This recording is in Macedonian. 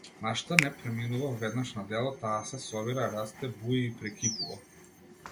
Нашата не преминува веднаш на дело, таа се собира, расте, буи и прекипува.